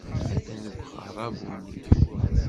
Atan deg uɣerrabu-nni.